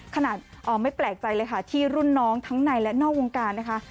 ขนาดไม่แปลกใจเลยค่ะที่รุ่นน้องทั้งในและนอกวงการนะคะ